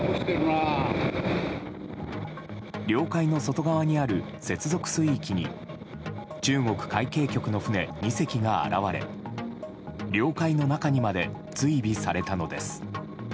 領海の外側にある接続水域に中国海警局の船２隻が現れ領海の中にまで追尾されたのです。